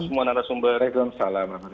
dan semua narasumber waalaikumsalam